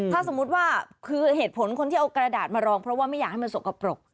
ถ้าสมมุติว่าคือเหตุผลคนที่เอากระดาษมารองเพราะว่าไม่อยากให้มันสกปรก